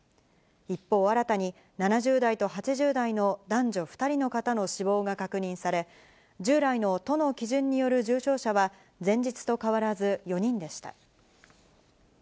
一方、新たに、７０代と８０代の男女２人の方の死亡が確認され、従来の都の基準による重症者は、前日と変わらず、４人でした。